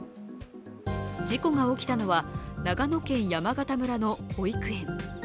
事故が起きたのは、長野県山形村の保育園。